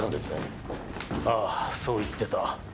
ああそう言ってた。